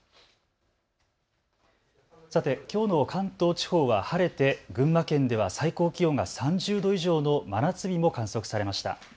さて、きょうの関東地方は晴れて群馬県では最高気温が３０度以上の真夏日も観測されました。